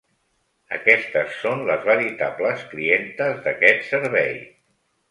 Aquestes són les veritables clientes d'aquest servei.